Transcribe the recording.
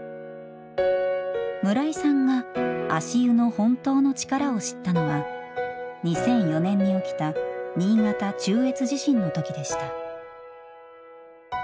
村井さんが足湯の本当の力を知ったのは２００４年に起きた新潟・中越地震の時でした。